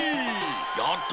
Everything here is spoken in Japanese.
やった！